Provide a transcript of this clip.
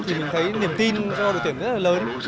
thì mình thấy niềm tin cho đội tuyển rất là lớn